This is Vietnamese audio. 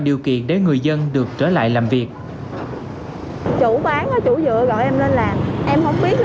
điều kiện để người dân được trở lại làm việc chủ bán chủ dự gọi em lên làm em không biết